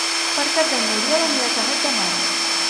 Per Cap d'Any n'Oriol anirà a Canet de Mar.